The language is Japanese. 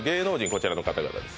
こちらの方々です